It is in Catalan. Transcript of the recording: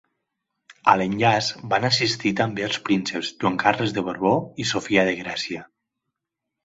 A l'enllaç van assistir també els prínceps Joan Carles de Borbó i Sofia de Grècia.